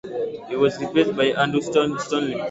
He was replaced by Andy Stoglin.